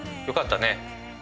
よかったね。